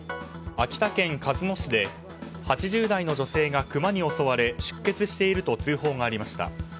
秋田県鹿角市で８０代の女性がクマに襲われ出血していると通報がありました。